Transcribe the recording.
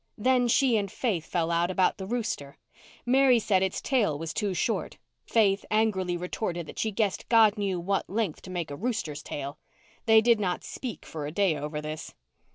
Then she and Faith fell out about the rooster. Mary said its tail was too short. Faith angrily retorted that she guessed God know what length to make a rooster's tail. They did not "speak" for a day over this.